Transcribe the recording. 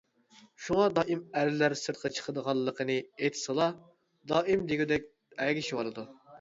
شۇڭا، دائىم ئەرلەر سىرتقا چىقىدىغانلىقىنى ئېيتسىلا، دائىم دېگۈدەك ئەگىشىۋالىدۇ.